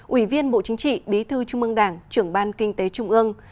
ủy viên bộ chính trị bí thư trung ương đảng trưởng ban kinh tế trung ương